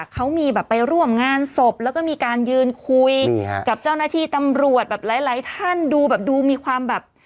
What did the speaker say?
เขามีแบบไปร่วมงานศพแล้วก็มีการยืนคุยกับเจ้าหน้าที่ตำรวจแบบหลายท่านดูแบบดูมีความแบบ